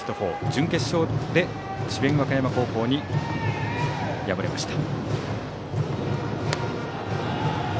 準決勝で智弁和歌山高校に敗れました。